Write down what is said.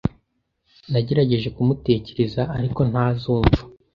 Nagerageje kumutekereza ariko ntazumva